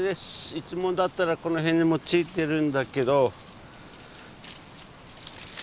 いつもだったらこの辺にもついてるんだけど。